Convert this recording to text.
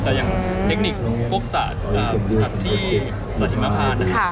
แต่อย่างเทคนิคโก๊กสัตว์สัตว์ที่สถิมภาพนะครับ